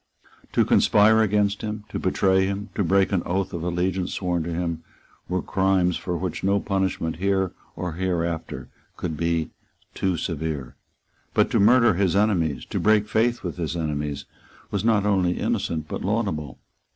To conspire against him, to betray him, to break an oath of allegiance sworn to him, were crimes for which no punishment here or hereafter could be too severe. But to murder his enemies, to break faith with his enemies was not only innocent but laudable.